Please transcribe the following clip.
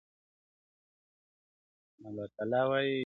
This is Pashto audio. پر شنو بانډو به ګرځېدله مست بېخوده زلمي٫